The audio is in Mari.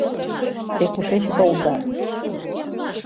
— Те кушеч толда?